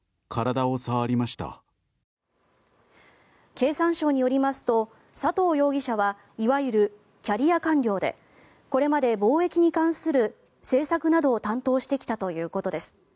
経産省によりますと佐藤容疑者はいわゆるキャリア官僚でこれまで貿易に関する政策などを担当してきたということです。